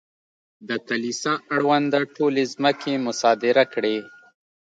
د کلیسا اړونده ټولې ځمکې مصادره کړې.